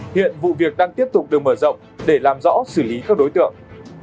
hiện vụ việc đang tiếp tục được mở rộng để làm rõ xử lý các đối tượng